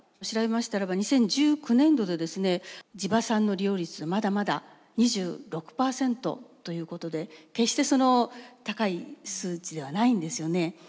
調べましたらば２０１９年度でですね地場産の利用率はまだまだ２６％ということで決してその高い数値ではないんですよね。